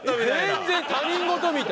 全然他人事みたい。